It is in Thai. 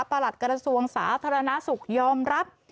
ประหลัดกระทรวงศาสตร์ธรรณสุขยอมรับ